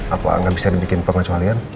aku gak bisa dibikin pengecualian